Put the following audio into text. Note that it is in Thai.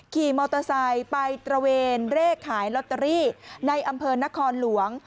ขี่มอเตอร์ไซค์ไปตระเวนเลขขายลอตเตอรี่ในอำเภอนครหลวง